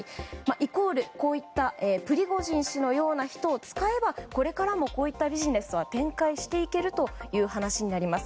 イコールプリゴジン氏のような人を使えばこれからもこういったビジネスは展開していけるという話になります。